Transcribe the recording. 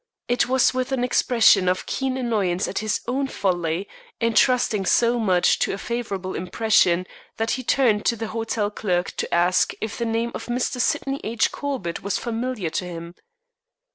It was with an expression of keen annoyance at his own folly in trusting so much to a favorable impression that he turned to the hotel clerk to ask if the name of Mr. Sydney H. Corbett was familiar to him.